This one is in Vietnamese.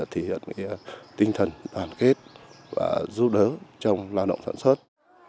thể hiện tinh thần đoàn kết và giúp đỡ trong lao động sản xuất